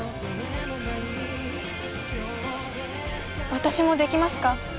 私もできますか？